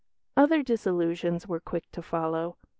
Other disillusions were quick to follow.